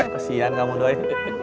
kasihan kamu doi